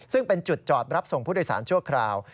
ซึ่งเป็นจุดจอดรับส่งผู้โดยสารชั่วคราว